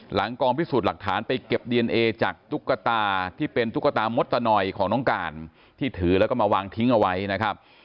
กองพิสูจน์หลักฐานไปเก็บดีเอนเอจากตุ๊กตาที่เป็นตุ๊กตามดตะนอยของน้องการที่ถือแล้วก็มาวางทิ้งเอาไว้นะครับ